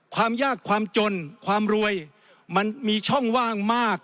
ความยากความจนความรวยมันมีช่องว่างมาก